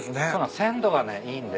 鮮度がねいいんで。